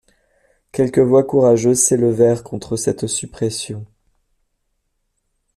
Quelques voix courageuses s'élevèrent contre cette suppression.